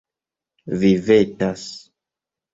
Vi vetas.